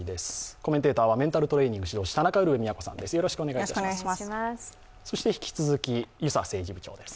コメンテーターはメンタルトレーニング指導士、田中ウルヴェ京さんです。